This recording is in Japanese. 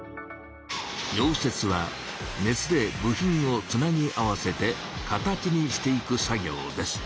溶接は熱で部品をつなぎ合わせて形にしていく作業です。